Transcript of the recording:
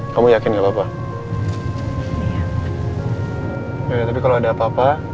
kamu yakin gak apa apa